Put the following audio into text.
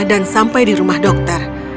dan sampai di rumah dokter